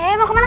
eh mau kemana